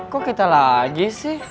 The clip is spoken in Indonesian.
kok kita lagi sih